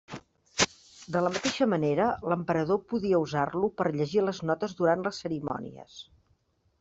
De la mateixa manera, l'emperador podia usar-lo per llegir les notes durant les cerimònies.